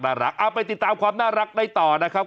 เอาไปติดตามความน่ารักได้ต่อนะครับ